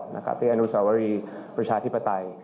ประชาธิบุฏรเป็นอนุสรรวรีประชาธิปไตต์